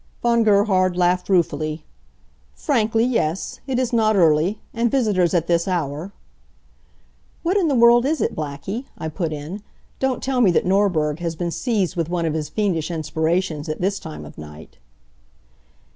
Von Gerhard laughed ruefully. "Frankly, yes. It is not early. And visitors at this hour " "What in the world is it, Blackie?" I put in. "Don't tell me that Norberg has been seized with one of his fiendish inspirations at this time of night."